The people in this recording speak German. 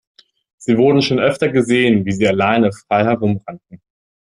Sie wurden schon öfter gesehen, wie sie alleine frei herum rannten.